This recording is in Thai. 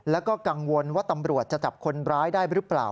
แล้วก็กังวลว่าตำรวจจะจับคนร้ายได้หรือเปล่า